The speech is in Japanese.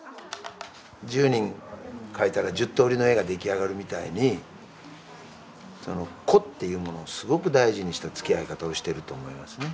１０人描いたら１０通りの絵が出来上がるみたいにその個っていうものをすごく大事にしたつきあい方をしてると思いますね。